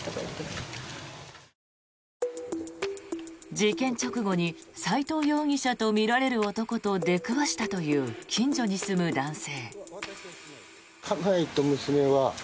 事件直後に斎藤容疑者とみられる男と出くわしたという近所に住む男性。